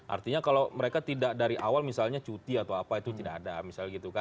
artinya kalau mereka tidak dari awal misalnya cuti atau apa itu tidak ada